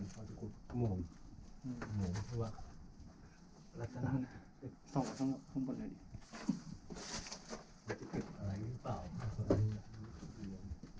ลุงไปแล้ว